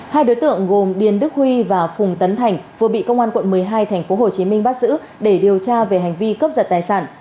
hai đối tượng gồm điền đức huy và phùng tấn thành vừa bị công an quận một mươi hai tp hcm bắt giữ để điều tra về hành vi cướp giật tài sản